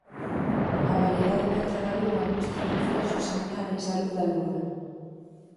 A variedade pedra de lúa mostra reflexos similares á luz da Lúa.